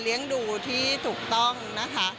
เลี้ยงดูที่ถูกต้องนะคะ